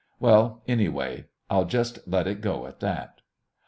Well anyway I'll just let it go at that.